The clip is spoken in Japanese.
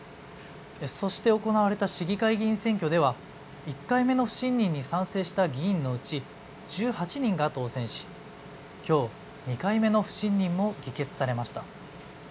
そして行われた市議会議員選挙では１回目の不信任に賛成した議員のうち１８人が当選し、きょう２回目の不信任も議決されました。